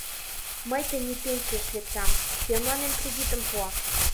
Мый тений пенсийыш лектам, кӧ мыланем кредитым пуа?